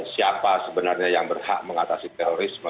siapa sebenarnya yang berhak mengatasi terorisme